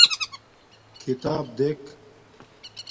کھیتاپ دیکھ